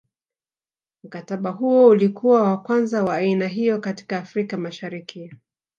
Mkataba huo ulikuwa wa kwanza wa aina hiyo katika Afrika Mashariki